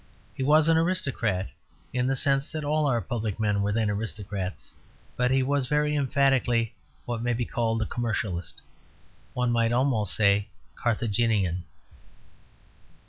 He was an aristocrat, in the sense that all our public men were then aristocrats; but he was very emphatically what may be called a commercialist one might almost say Carthaginian.